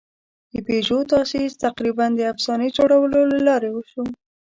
د پيژو تاسیس تقریباً د افسانې جوړولو له لارې وشو.